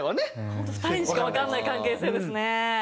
本当２人にしかわからない関係性ですね。